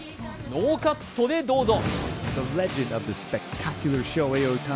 ノーカットでどうぞ。